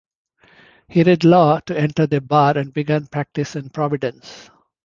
He read law to enter the Bar and began practice in Providence.